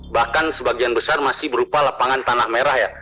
bahkan sebagian besar masih berupa lapangan tanah merah ya